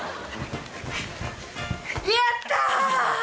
やったー！